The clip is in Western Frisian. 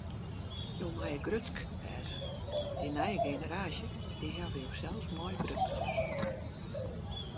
Jo meie grutsk wêze: dy nije generaasje, dy hawwe josels mei grutbrocht.